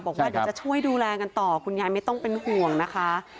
บอกว่าเดี๋ยวจะช่วยดูแลกันต่อคุณยายไม่ต้องเป็นห่วงนะคะ